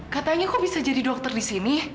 katanya kok bisa jadi dokter di sini